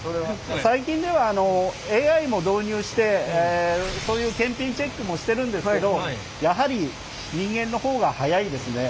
最近ではＡＩも導入してそういう検品チェックもしてるんですけどやはり人間の方が早いですね。